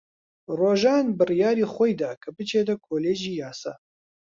ڕۆژان بڕیاری خۆی دا کە بچێتە کۆلێژی یاسا.